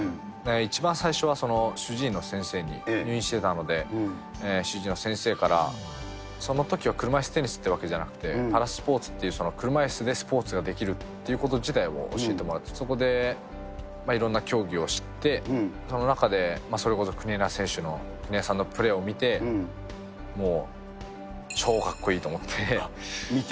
一番最初は主治医の先生に入院してたので、主治医の先生から、そのときは車いすテニスってわけじゃなくて、パラスポーツっていう車いすでスポーツができるっていうこと自体を教えてもらって、そこでいろんな競技を知って、その中で、それこそ国枝選手の、国枝さんのプレーを見て、もう超かっこいい見て？